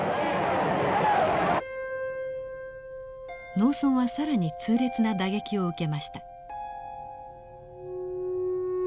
農村は更に痛烈な打撃を受けました。